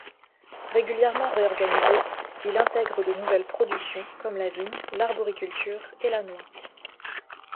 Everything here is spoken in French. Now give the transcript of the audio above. Régulièrement réorganisé, il intègre de nouvelles productions comme la vigne, l'arboriculture et la noix.